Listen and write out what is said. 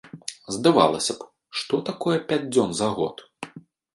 Здавалася б, што такое пяць дзён за год?